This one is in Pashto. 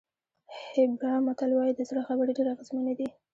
هېبرا متل وایي د زړه خبرې ډېرې اغېزمنې دي.